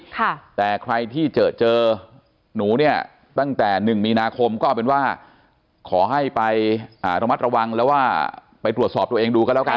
ค่ะแต่ใครที่เจอเจอหนูเนี่ยตั้งแต่หนึ่งมีนาคมก็เอาเป็นว่าขอให้ไปอ่าระมัดระวังแล้วว่าไปตรวจสอบตัวเองดูกันแล้วกัน